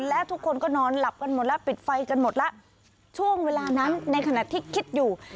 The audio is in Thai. และทุกคนก็นอนหลับกันหมดแล้วปิดไฟกันหมดแล้วช่วงเวลานั้นในขณะที่คิดอยู่